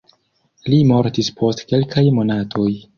Li mortis post kelkaj monatoj.